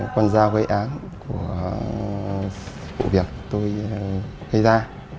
con dao gây án của vụ việc tôi gây ra